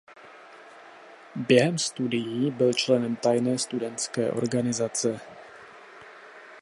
Během studií byl členem tajné studentské organizace.